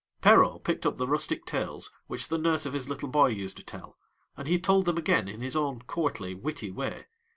Perrault picked up the rustic tales which the nurse of his little boy used to tell, and he told them again in his own courtly, witty way.